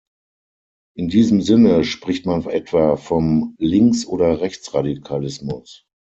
In diesem Sinne spricht man etwa vom Links- oder Rechtsradikalismus.